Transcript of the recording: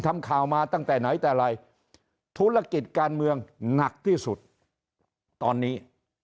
ทำข่าวมาตั้งแต่ไหนแต่ไรธุรกิจการเมืองหนักที่สุดตอนนี้